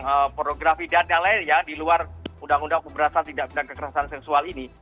yang prografi dan lainnya ya di luar undang undang keberasan tidak bidang kekerasan seksual ini